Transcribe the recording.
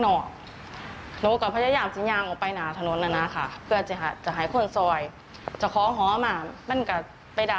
เธอไม่ดูนอนแม่นะเธอก็ไม่ดูนอนแม่จะถั่วแล้วเธอจะดูลงมานี่ค่ะ